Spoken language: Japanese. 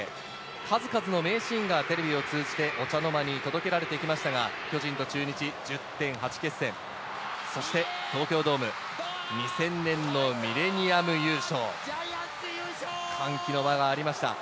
数々の名シーンがテレビを通じて、お茶の間に届けられてきましたが、巨人と中日１０．８決戦、そして東京ドーム、２０００年のミレニアム優勝、歓喜の輪がありました。